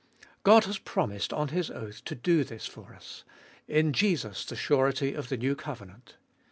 God has promised on His oath to do this for us, in Jesus the surety of the new covenant.